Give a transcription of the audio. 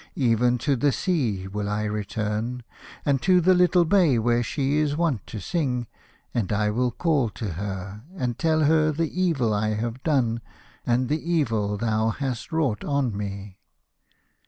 Even to the sea will I return, and to the little bay where she is wont to sing, and I will call to her and tell her the evil I have done and the evil thou hast wrought on me."